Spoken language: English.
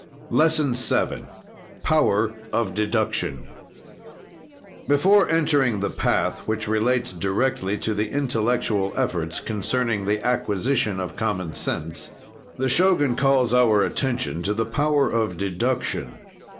LESSON VII POWER OF DEDUCTION Before entering the path which relates directly to the intellectual efforts concerning the acquisition of common sense, the Shogun calls our attention to the power of deduction.